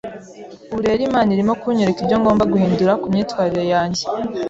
Ubu rero Imana irimo kunyereka ibyo ngomba guhindura ku myitwarire yanjye,